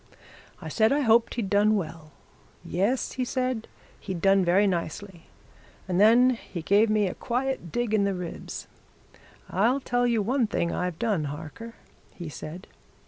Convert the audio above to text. I said I hoped he'd done well. Yes, he said, he'd done very nicely and then he gave me a quiet dig in the ribs. 'I'll tell you one thing I've done, Harker,' he said.